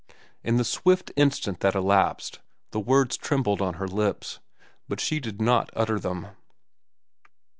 In the swift instant that elapsed, the words trembled on her lips. But she did not utter them.